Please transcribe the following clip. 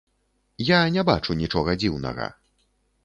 Я не бачу нічога дзіўнага.